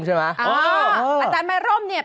สกิดยิ้ม